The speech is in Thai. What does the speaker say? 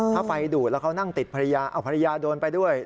ถ้าไฟดูดแล้วเขานั่งติดภรรยาเอาภรรยาภรรยาโดนไปด้วย